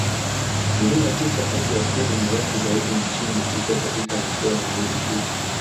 Milima tisa kati ya kumi mirefu zaidi nchini ipo katika mikoa miwili tu